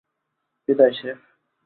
বিদায়, শেফ।